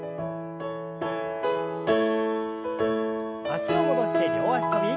脚を戻して両脚跳び。